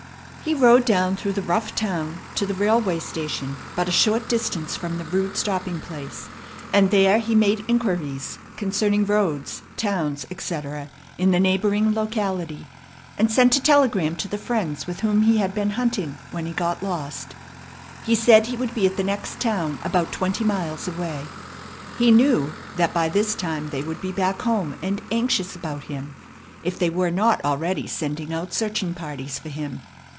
He rode down through the rough town to the railway station, but a short distance from the rude stopping place; and there he made inquiries concerning roads, towns, etc., in the neighboring locality, and sent a telegram to the friends with whom he had been hunting when he got lost. He said he would be at the next town about twenty miles away. He knew that by this time they would be back home and anxious about him, if they were not already sending out searching parties for him.